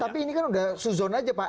tapi ini kan sudah se zone aja pak